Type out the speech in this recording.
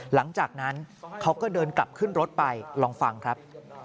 หลังจากนั้นเขาก็เดินกลับขึ้นรถไปลองฟังครับ